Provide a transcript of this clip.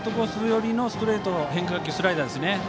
寄りのストレート変化球、スライダーですね。